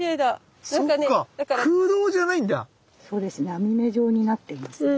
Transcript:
網目状になっていますね。